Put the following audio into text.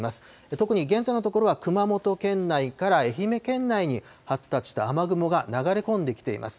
特に現在のところは熊本県内から愛媛県内に発達した雨雲が流れ込んできています。